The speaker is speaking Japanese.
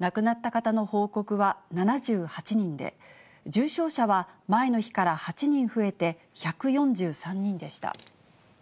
亡くなった方の報告は７８人で、重症者は前の日から８人増えて１４３人でした。